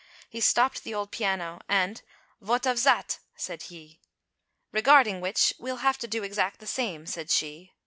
He stopped the old piano, and "Vot of zat?" said he, "Regarding which, we'll have to do exact the same," said she.